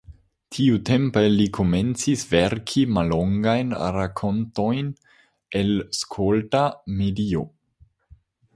Tiutempe li komencis verki mallongajn rakontojn el skolta medio.